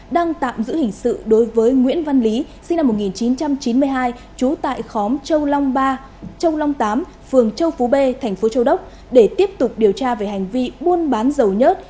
đang tạm giữ hình sự đối với nguyễn văn lý sinh năm một nghìn chín trăm chín mươi hai trú tại khóm châu long ba châu long tám phường châu phú b tp châu đốc